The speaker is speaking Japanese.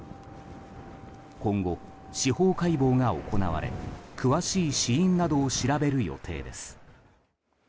今後、司法解剖が行われ詳しい死因などを調べる予定です。